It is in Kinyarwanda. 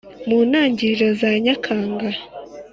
mu ntangiriro za nyakanga